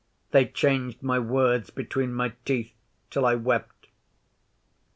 They changed my words between my teeth till I wept.